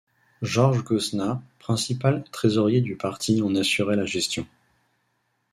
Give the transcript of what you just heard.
Georges Gosnat principal trésorier du Parti en assurait la gestion.